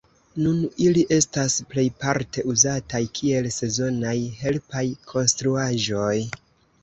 Nun ili estas plejparte uzataj kiel sezonaj helpaj konstruaĵoj.